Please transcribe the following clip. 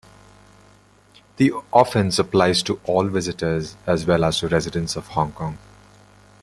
The offence applies to all visitors as well as to residents of Hong Kong.